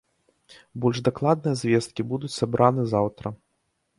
Больш дакладныя звесткі будуць сабраны заўтра.